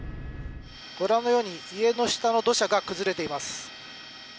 ご覧のように家の下の土砂が崩れています。